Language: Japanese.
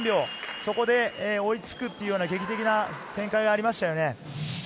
そこで追いつく劇的な展開がありました。